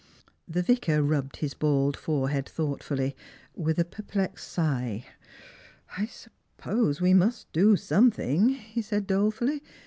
The Vicar rubbed his bald forehead thoughtfully, with a per plexed sigh. " I suppose we must do something," he said dolefully.